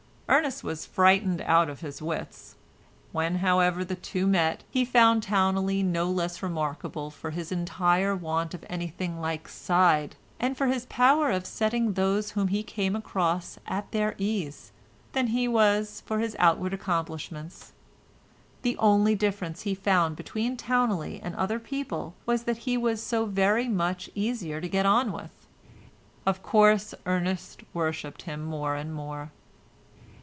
Ernest was frightened out of his wits. When, however, the two met, he found Towneley no less remarkable for his entire want of anything like "side," and for his power of setting those whom he came across at their ease, than he was for outward accomplishments; the only difference he found between Towneley and other people was that he was so very much easier to get on with. Of course Ernest worshipped him more and more.